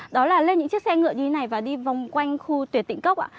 đó là lên những chiếc xe ngựa như thế này và đi vòng quanh khu tuyệt tịnh cốc ạ